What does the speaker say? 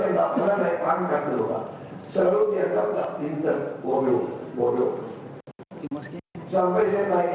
ada saksi yang sebelumnya yang kemarin sudah ada mengatakan